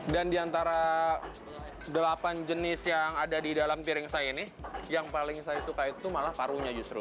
dan diantara delapan jenis yang ada di dalam piring saya ini yang paling saya suka itu malah parunya justru